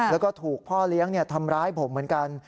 แล้วก็ถูกพ่อเลี้ยงทำร้ายผมเหมือนกัน